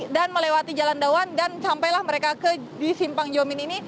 dan melewati jalan dawan dan sampai mereka di simpang jomin ini